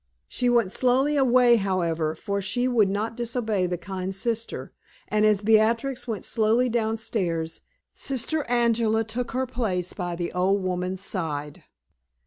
She went slowly away, however, for she would not disobey the kind sister; and as Beatrix went slowly down stairs, Sister Angela took her place by the old woman's side.